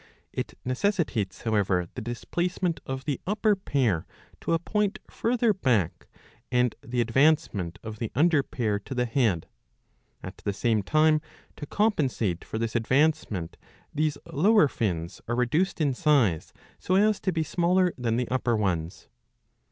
It necessitates, however, the dis placement of the upper pair to a point further back, and the advancement of the under pair to the head. At the same time to compensate for this advancement these lower fins are reduced in size so as to be smaller than the upper ones.'